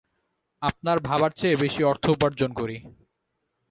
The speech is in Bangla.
আপনার ভাবার চেয়ে বেশি অর্থ উপার্জন করি।